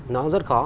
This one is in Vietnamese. nó rất khó